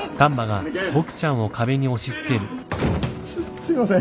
すすいません。